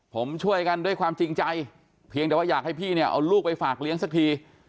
ผมช่วยกันด้วยความจริงใจเพียงแต่ว่าอยากให้พี่เนี่ยเอาลูกไปฝากเลี้ยงสักที